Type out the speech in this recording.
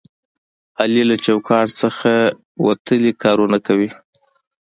علي له چوکاټ نه وتلي کارونه کوي.